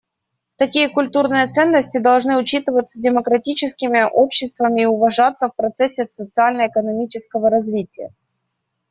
Такие культурные ценности должны учитываться демократическими обществами и уважаться в процессе социально-экономического развития.